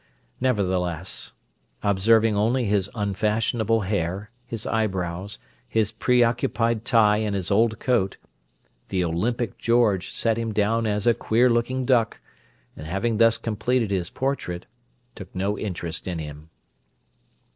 Nevertheless, observing only his unfashionable hair, his eyebrows, his preoccupied tie and his old coat, the olympic George set him down as a queer looking duck, and having thus completed his portrait, took no interest in him.